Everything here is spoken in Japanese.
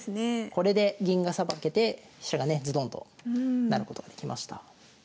これで銀がさばけて飛車がねズドンと成ることができました。